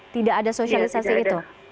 tidak ada sosialisasi itu